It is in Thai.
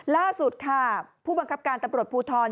ล่าสุดค่ะผู้บังคับการตำรวจภูทร